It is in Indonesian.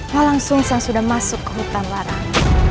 malang sung sang sudah masuk ke hutan warang